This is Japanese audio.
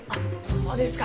そうですか！